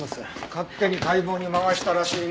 勝手に解剖に回したらしいね。